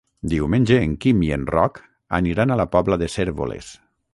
Diumenge en Quim i en Roc aniran a la Pobla de Cérvoles.